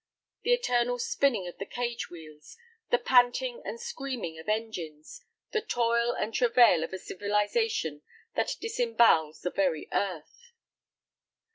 The eternal spinning of the cage wheels, the panting and screaming of engines, the toil and travail of a civilization that disembowels the very earth.